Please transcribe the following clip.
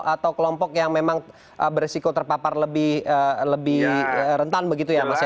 atau kelompok yang memang beresiko terpapar lebih rentan begitu ya mas ya